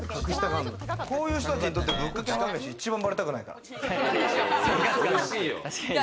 こういう人たちにとって、ぶっかけ浜めし、一番ばれたくないから。